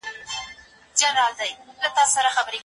پيغمبر د مظلومانو او غریبانو حقیقي ملګری و.